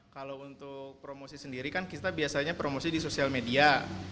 kalau untuk promosi sendiri kan kita biasanya promosi di sosial media